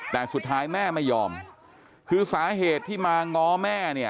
แต่สุดท้ายแม่ไม่ยอมคือสาเหตุที่มาง้อแม่เนี่ย